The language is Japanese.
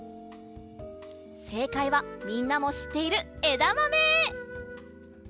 せいかいはみんなもしっているえだまめ！